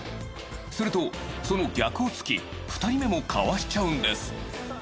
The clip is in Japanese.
すると、その逆を突き２人目もかわしちゃうんです。